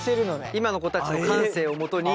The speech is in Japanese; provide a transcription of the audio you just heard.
今の子たちの感性をもとに。